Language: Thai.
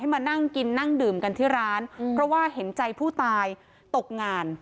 มานั่งกินนั่งดื่มกันที่ร้านเพราะว่าเห็นใจผู้ตายตกงาน